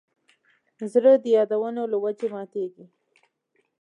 زړه د یادونو له وجې ماتېږي.